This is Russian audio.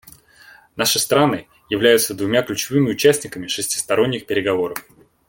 Наши страны являются двумя ключевыми участниками шестисторонних переговоров.